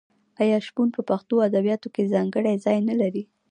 آیا شپون په پښتو ادبیاتو کې ځانګړی ځای نلري؟